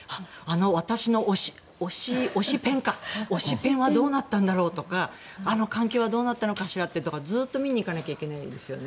私の推しペンはどうなったんだろうとかあの関係はどうなったのかしらってずっと見に行かなきゃいけないですよね。